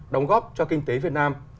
đóng góp cho kinh tế việt nam